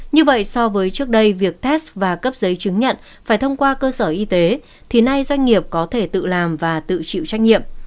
như vậy so với trước đây việc test và cấp giấy chứng nhận phải thông qua cơ sở y tế thì nay doanh nghiệp có thể tự làm và tự chịu trách nhiệm